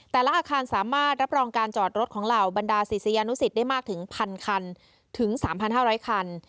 อาคารสามารถรับรองการจอดรถของเหล่าบรรดาศิษยานุสิตได้มากถึง๑๐๐คันถึง๓๕๐๐คัน